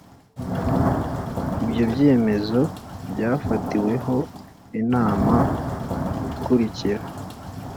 ibyo byemezo byafatiweho Inama ikurikira